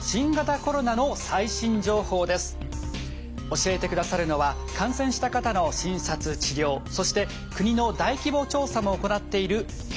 教えてくださるのは感染した方の診察治療そして国の大規模調査も行っている慶應義塾大学の石井誠さんです。